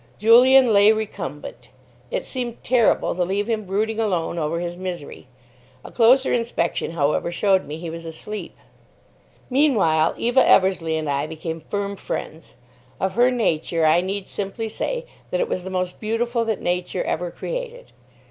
Julian lay recumbent. It seemed terrible to leave him brooding alone over his misery. A closer inspection, however, showed me he was asleep. Meanwhile, Eva Eversleigh and I became firm friends. Of her person I need simply say that it was the most beautiful that Nature ever created.